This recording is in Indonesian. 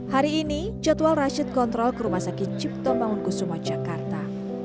hari ini jadwal rashid kontrol ke rumah sakit cipto mangunkusumo jakarta